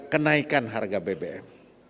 kenaikan harga bbm